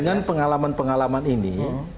dengan pengalaman pengalaman ini